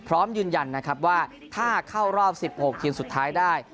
พร้อมยืนยันนะครับว่าถ้าเข้ารอบ๑๖ทีมสุดท้ายได้